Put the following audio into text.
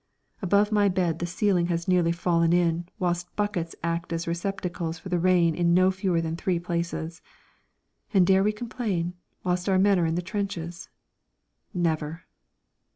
Above my bed the ceiling has nearly fallen in, whilst buckets act as receptacles for the rain in no fewer than three places. And dare we complain, whilst our men are in the trenches? Never!